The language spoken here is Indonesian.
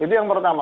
itu yang pertama